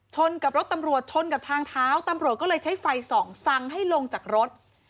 กับรถตำรวจชนกับทางเท้าตำรวจก็เลยใช้ไฟส่องสั่งให้ลงจากรถ